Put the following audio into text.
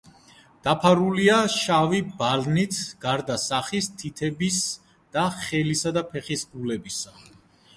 დაფარულია შავი ბალნით, გარდა სახის, თითების და ხელისა და ფეხის გულებისა.